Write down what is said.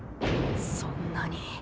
そんなに。